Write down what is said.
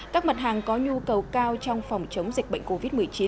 các mặt hàng có nhu cầu cao trong phòng chống dịch bệnh covid một mươi chín